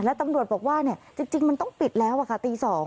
แล้วตำรวจบอกว่าจริงมันต้องปิดแล้วค่ะตี๒